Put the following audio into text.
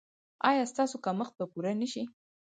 ایا ستاسو کمښت به پوره نه شي؟